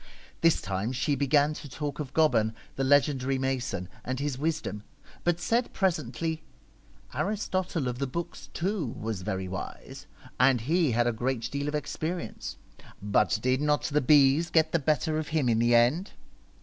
This time she began to talk of Goban, the legendary mason, and his wisdom, but said presently, ' Aristotle of the Books, too, was very wise, and he had a great deal of experience, but did not the bees get the better of him in the end